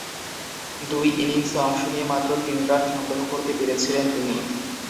দুই ইনিংসে অংশ নিয়ে মাত্র তিন রান সংগ্রহ করতে পেরেছিলেন তিনি।